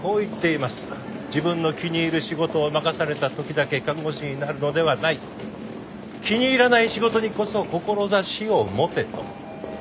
「自分の気に入る仕事を任された時だけ看護師になるのではない」「気に入らない仕事にこそ志を持て」と。